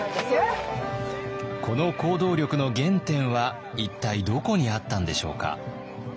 この行動力の原点は一体どこにあったんでしょうか。